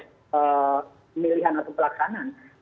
pilihan atau pelaksanaan